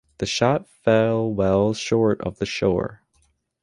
The shot fell well short of the shore.